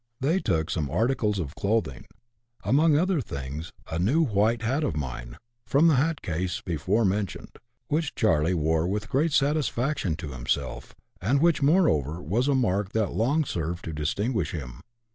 They took some articles of clothing ; among other things, a new white hat of mine (from the hat case before mentioned), which Charley wore with great satisfaction to himself, and which moreover was a mark that long served to distinguish him.